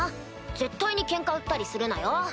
絶対にケンカ売ったりするなよ。